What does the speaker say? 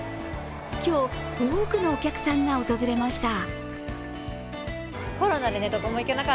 今日、多くのお客さんが訪れました。